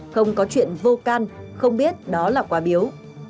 không có chuyện vô can không biết đó là quà biếu